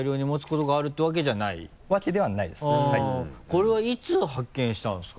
これはいつ発見したんですか？